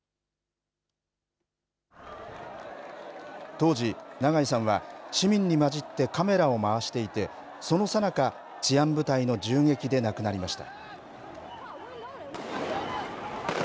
当時、長井さんは市民に交じってカメラを回していてそのさなか、治安部隊の銃撃で亡くなりました。